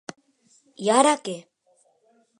I, ara, què?